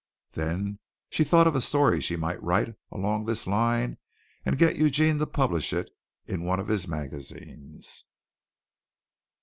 Then she thought of a story she might write along this line and get Eugene to publish it in one of his magazines.